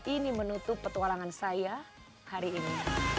ini menutup petualangan saya hari ini